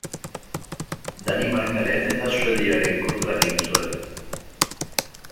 Danimarkaren eta Suediaren kontra egin zuen.